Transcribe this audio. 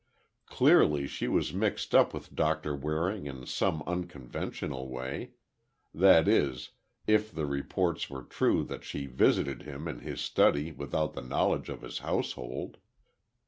Clearly she was mixed up with Doctor Waring in some unconventional way—that is, if the reports were true that she visited him in his study without the knowledge of his household.